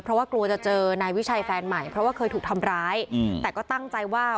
เพราะว่ากลัวจะเจอนายวิชัยแฟนใหม่เพราะว่าเคยถูกทำร้ายอืมแต่ก็ตั้งใจว่า